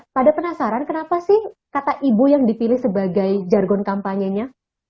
pada penasaran kenapa sih kata ibu yang dipilih sebagai jargon kampanyenya